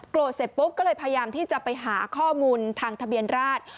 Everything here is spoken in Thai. เสร็จปุ๊บก็เลยพยายามที่จะไปหาข้อมูลทางทะเบียนราช